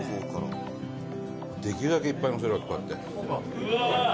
できるだけ、いっぱいのせるわけ、こうやって。